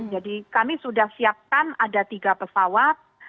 jadi kami sudah siapkan ada tiga pesawat